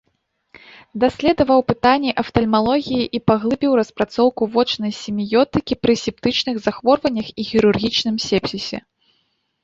Даследаваў пытанні афтальмалогіі і паглыбіў распрацоўку вочнай семіётыкі пры септычных захворваннях і хірургічным сепсісе.